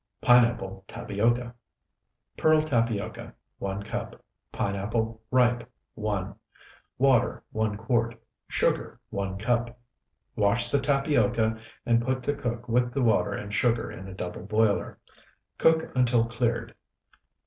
PINEAPPLE TAPIOCA Pearl tapioca, 1 cup. Pineapple, ripe, 1. Water, 1 quart. Sugar, 1 cup. Wash the tapioca, and put to cook with the water and sugar in a double boiler; cook until cleared.